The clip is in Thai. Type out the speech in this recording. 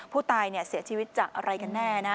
ผู้เสียชีวิตจากอะไรกันแน่นะ